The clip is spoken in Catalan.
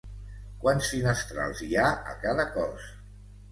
Quants finestrals hi ha a cada cos?